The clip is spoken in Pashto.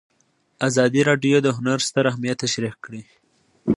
ازادي راډیو د هنر ستر اهميت تشریح کړی.